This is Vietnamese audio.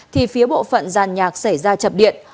thì phía bộ phận giàn nhạc xảy ra chập điện